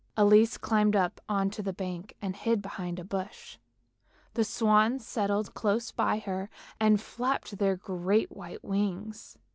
Elise climbed up on to the bank and hid behind a bush; the swans settled close by her and flapped their great white wings.